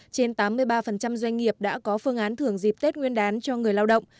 trên tám mươi ba doanh nghiệp đã có phương án thưởng dịp tết nguyên đán cho người lao động